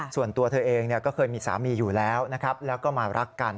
ส่วนตัวเธอเองก็เคยมีสามีอยู่แล้วนะครับแล้วก็มารักกัน